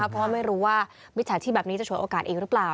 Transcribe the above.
เพราะว่าไม่รู้ว่ามิจฉาชีพแบบนี้จะฉวยโอกาสอีกหรือเปล่า